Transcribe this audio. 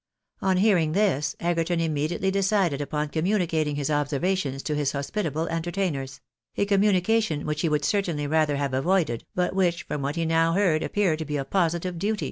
On hearing this, Egerton immediately decided upon communicating his observa tions to his hospitable entertainers ; a communication which he would certainly rather have avoided, but which, from what he now heard, appeared to be a positive duty.